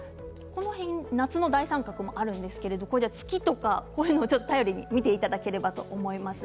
夏の大三角もあるんですけど月を頼りにして見ていただければと思います。